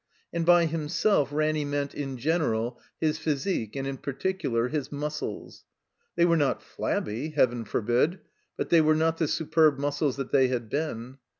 And by "himself*' Ranny meant in general his physique and in particular his muscles. They were not flabby — ^Heaven forbid! — ^but they were not the superb muscles that they had been.